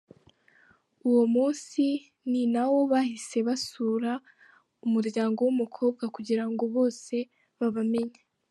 Uwo munsi munsi ni nawo bahise basura umuryango w’umukobwa kugira ngo hose babamenye.